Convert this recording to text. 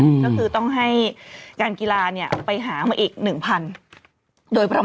ก็คือต้องให้การกีฬาไปหามาอีก๑๐๐๐ล้านโดยประมาณ